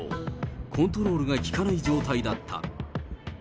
コントロールが利かない状態だった。